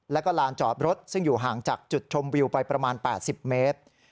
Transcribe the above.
แล้วก็ลานจอดรถซึ่งอยู่ห่างจากจุดชมวิวไปประมาณ๘๐เมตร